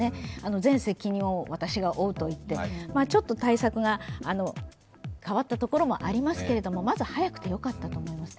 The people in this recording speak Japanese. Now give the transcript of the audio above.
全責任を私が負うと言ってちょっと対策が変わったところもありますけれども、まず早くてよかったと思います。